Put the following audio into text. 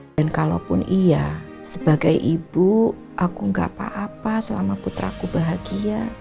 dan kalaupun iya sebagai ibu aku nggak apa apa selama putraku bahagia